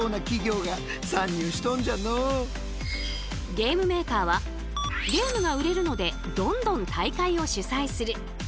ゲームメーカーはゲームが売れるのでどんどん大会を主催する。